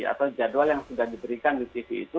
atau jadwal yang sudah diberikan di tv itu